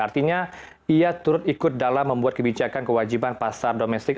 artinya ia turut ikut dalam membuat kebijakan kewajiban pasar domestik